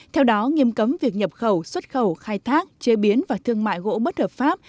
theo đó nghiêm cấm việc nhập khẩu xuất khẩu khai thác chế biến và thương mại gỗ bất hợp pháp